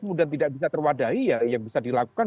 kemudian tidak bisa terwadahi ya yang bisa dilakukan